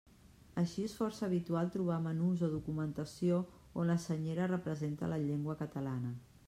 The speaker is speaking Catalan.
Així, és força habitual trobar menús o documentació on la Senyera representa la llengua catalana.